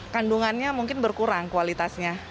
kandungannya mungkin berkurang kualitasnya